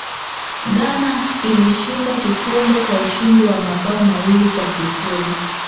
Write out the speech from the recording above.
ghana ilishinda kikombe kwa ushindi wa mabao mawili kwa sifuri